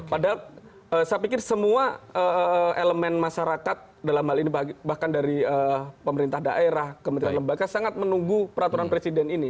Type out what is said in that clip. padahal saya pikir semua elemen masyarakat dalam hal ini bahkan dari pemerintah daerah kementerian lembaga sangat menunggu peraturan presiden ini